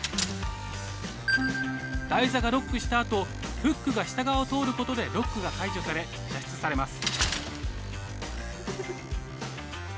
台座がロックしたあとフックが下側を通ることでロックが解除され射出されます。